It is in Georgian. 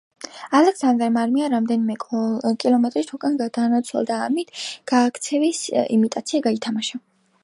ალექსანდრემ არმია რამდენიმე კილომეტრით უკან გადაანაცვლა და ამით გაქცევის იმიტაცია გაითამაშა.